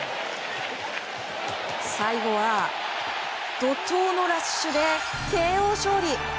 最後は怒涛のラッシュでＫＯ勝利！